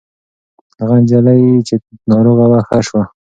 هغه نجلۍ چې ناروغه وه ښه شوه.